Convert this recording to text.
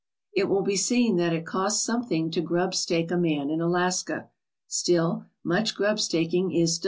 It will be seen that it costs something to grub stake a man in Alaska. Still, much grub staking is done.